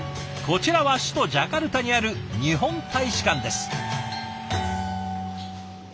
こちらは首都ジャカルタにある日本大使館です。